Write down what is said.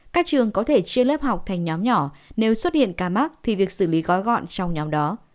các trường có thể chia lớp học thành nhóm nhỏ nếu xuất hiện ca mắc thì việc xử lý gói gọn trong nhóm đó